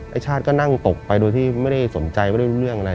ชาติก็นั่งตกไปโดยที่ไม่ได้สนใจไม่ได้รู้เรื่องอะไร